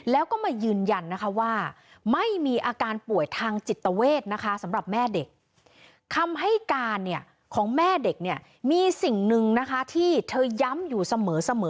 แล้วก็มายืนยันนะคะว่าไม่มีอาการป่วยทางจิตเวทนะคะสำหรับแม่เด็กคำให้การเนี่ยของแม่เด็กเนี่ยมีสิ่งหนึ่งนะคะที่เธอย้ำอยู่เสมอ